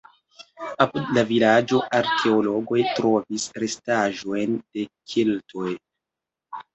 Apud la vilaĝo arkeologoj trovis restaĵojn de keltoj.